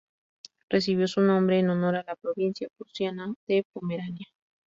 Recibió su nombre en honor a la provincia prusiana de Pomerania.